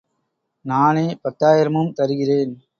நானே பத்தாயிரமும் தருகிறேன்.